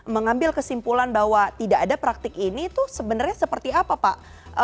mengambil kesimpulan bahwa tidak ada praktik ini itu sebenarnya seperti apa pak